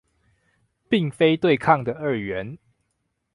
並非對抗的二元